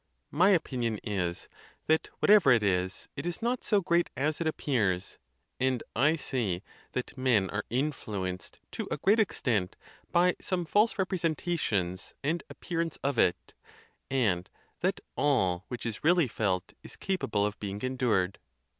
My opinion is, that whatever it is, it is not so great as it appears; and I say, that men are influenced to a great extent by some false representations and appearance of it, and that all which is really felt is capable of being endured.